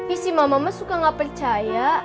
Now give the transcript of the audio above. isi mama mah suka gak percaya